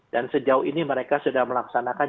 dan sejauh ini mereka sudah melaksanakan